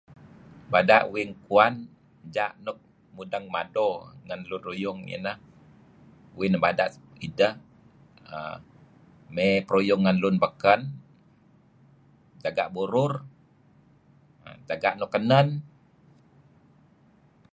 Bada' uih kuwan ja' uih luk mudeng ngi mado let ngen lun ruyung ineh uih nebada' ideh err mey peruyung ngen lun beken, jaga' burur, jaga' nuk kenen.